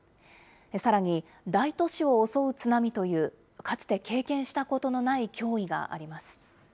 さらに、大都市を襲う津波というかつて経験したことのない脅威があります。